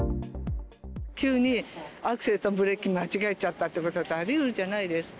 急にアクセルとブレーキ、間違えちゃったってこと、ありうるじゃないですか。